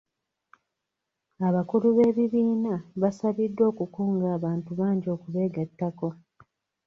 Abakulu b'ebibiina basabiddwa okukunga abantu bangi okubegatako.